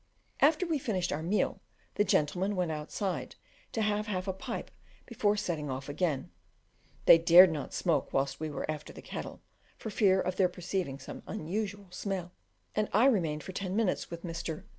After we had finished our meal, the gentlemen went outside to have half a pipe before setting off again; they dared not smoke whilst we were after the cattle, for fear of their perceiving some unusual smell; and I remained for ten minutes with Mr